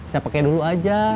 saya pake dulu aja